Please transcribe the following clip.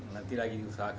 nanti lagi diusahakan